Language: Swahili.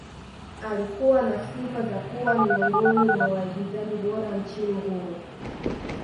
Alikuwa na sifa za kuwa miongoni mwa waigizaji bora nchini humo